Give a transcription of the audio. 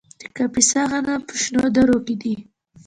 د کاپیسا غنم په شنو درو کې دي.